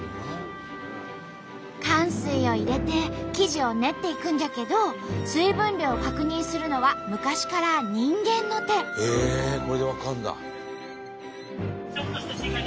かん水を入れて生地を練っていくんじゃけど水分量を確認するのは昔からこれで分かるんだ！